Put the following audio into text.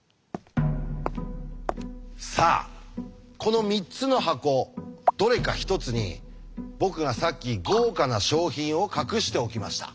さあこの３つの箱どれか１つに僕がさっき豪華な賞品を隠しておきました。